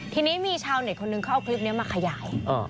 ทีนี้มีชาวเน็ตคนนึงเขาเอาคลิปนี้มาขยาย